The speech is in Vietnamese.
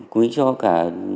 quý cho cả